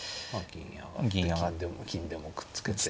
銀上がって金でもくっつけて。